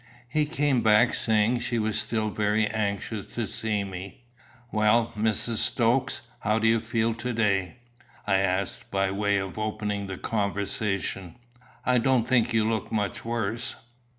He came back saying she was still very anxious to see me. "Well, Mrs. Stokes, how do you feel to day?" I asked, by way of opening the conversation. "I don't think you look much worse."